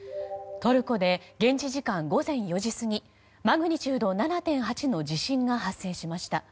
トルコで現地時間午前４時過ぎマグニチュード７．８の地震が発生しました。